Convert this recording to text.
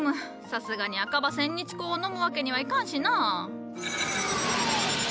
さすがに赤葉千日紅を飲むわけにはいかんしな。